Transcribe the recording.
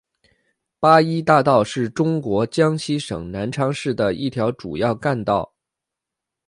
八一大道是中国江西省南昌市的一条主要干道。